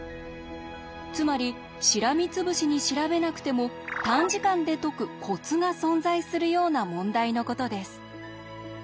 つまりしらみつぶしに調べなくても短時間で解くコツが存在するような問題のことです。